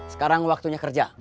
sekarang waktunya kerja